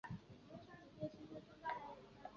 之后再使用剃刀直接切除大小阴唇。